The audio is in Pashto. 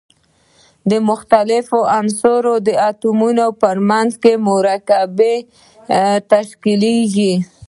د مختلفو عنصرونو د اتومونو په منځ کې مرکبونه تشکیلیږي.